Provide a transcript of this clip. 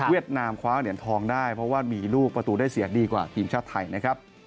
นามคว้าเหรียญทองได้เพราะว่ามีลูกประตูได้เสียดีกว่าทีมชาติไทยนะครับ